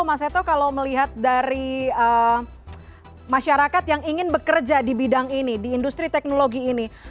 mas eto kalau melihat dari masyarakat yang ingin bekerja di bidang ini di industri teknologi ini